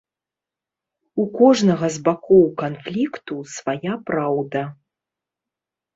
У кожнага з бакоў канфлікту свая праўда.